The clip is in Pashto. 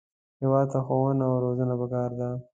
هېواد ته ښوونه او روزنه پکار ده